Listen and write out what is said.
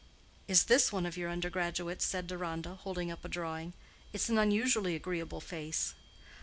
"Is this one of your undergraduates?" said Deronda, holding up a drawing. "It's an unusually agreeable face."